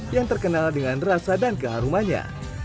yang terkenal dengan rasa dan keharumannya